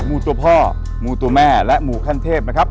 หมูตัวพ่อมูตัวแม่และหมูขั้นเทพนะครับ